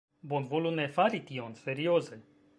Bonvolu ne fari tion. Serioze!